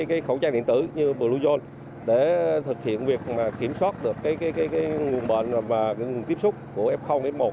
cái khẩu trang điện tử như bluezone để thực hiện việc kiểm soát được nguồn bệnh và tiếp xúc của f f một